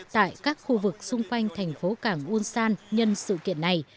tại các khu vực xung quanh thành phố cảng unsan nhân sự kiện này